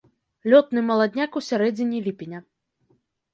Лётны маладняк ў сярэдзіне ліпеня.